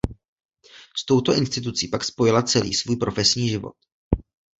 S touto institucí pak spojila celý svůj profesní život.